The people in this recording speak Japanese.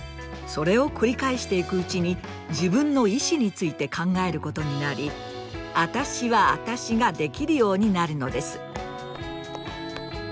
それを繰り返していくうちに自分の意思について考えることになり“あたしはあたし”ができるようになるのです。